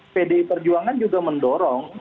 pdi perjuangan juga mendorong